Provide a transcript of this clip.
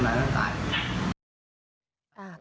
คดีทำร้ายร่างกาย